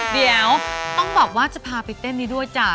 เดี๋ยวต้องบอกว่าจะพาไปเต้นนี้ด้วยจ้ะ